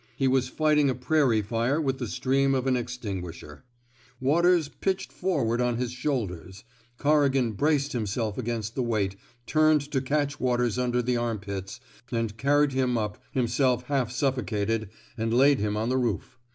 He was fighting a prairie fire with the stream of an ex tinguisher. Waters pitched forward on his shoulders. Corrigan braced himself against the weight, turned to catch Waters under the armpits, and carried him up, himself half suffocated, and laid him on the roof.